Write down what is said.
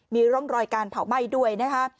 มีร่องรอยการเผาไหม้ด้วยนะคะ